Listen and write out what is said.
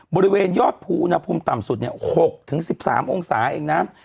บริเวณยอดภูอุณหภูมิต่ำสุด๖๑๓องศาเองนะ